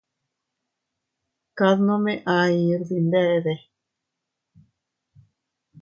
Kad nome ahir dindade.